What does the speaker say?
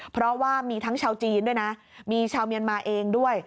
เพราะว่ามีทั้งชาวจีนด้วยนะมีชาวเมียนมาเองด้วย